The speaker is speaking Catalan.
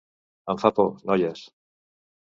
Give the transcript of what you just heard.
Em fa por, noies.